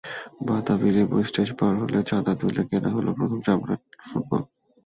বাতাবিলেবুর stage পার হলো, চাঁদা তুলে কেনা হলো প্রথম চামড়ার ফুটবল।